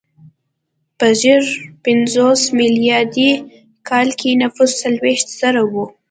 په زر پنځوس میلادي کال کې نفوس څلوېښت زره و.